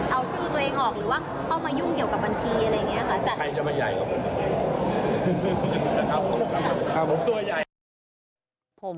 เอาชื่อตัวเองออกหรือว่าเข้ามายุ่งเกี่ยวกับบัญชีอะไรเงี้ยค่ะใครจะมาใหญ่กว่าผม